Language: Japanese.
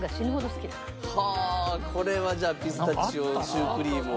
はあこれはじゃあピスタチオシュークリームは。